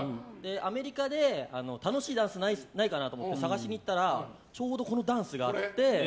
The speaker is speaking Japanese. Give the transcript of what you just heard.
アメリカで楽しいダンスないかなと思って探しに行ったらちょうどこのダンスがあって。